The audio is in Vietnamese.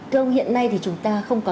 thưa ông hiện nay thì chúng ta không có